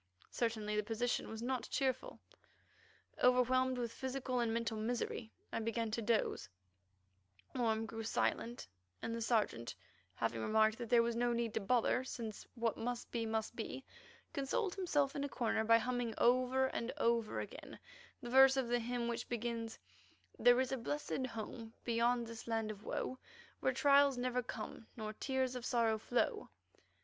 Certainly the position was not cheerful. Overwhelmed with physical and mental misery, I began to doze; Orme grew silent, and the Sergeant, having remarked that there was no need to bother, since what must be must be, consoled himself in a corner by humming over and over again the verse of the hymn which begins: "There is a blessed home beyond this land of woe, Where trials never come nor tears of sorrow flow."